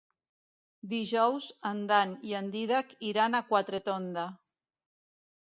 Dijous en Dan i en Dídac iran a Quatretonda.